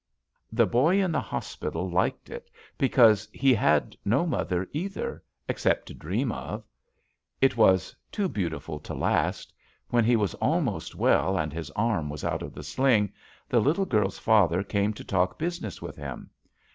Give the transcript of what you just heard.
"The boy in the hospital liked it because he had no mother, either, except to dream of. *'It was too beautiful to last. When he was almost well and his arm was out of the sling, the little girl's father came to talk business with him.